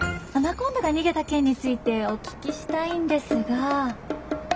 アナコンダが逃げた件についてお聞きしたいんですが。